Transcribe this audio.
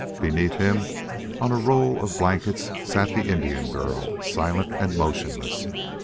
Beneath him on a roll of blankets sat the Indian girl, silent and motionless.